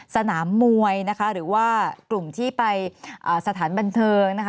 สนามมวยนะคะหรือว่ากลุ่มที่ไปสถานบันเทิงนะคะ